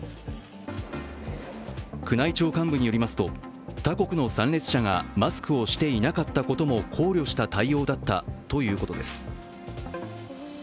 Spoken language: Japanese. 宮内庁幹部によりますと他国の参列者がマスクをしていなかったことも考慮した対応だったということです。